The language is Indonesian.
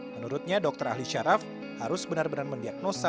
menurutnya dokter ahli syaraf harus benar benar mendiagnosa